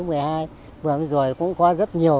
vừa mới rồi cũng qua rất nhiều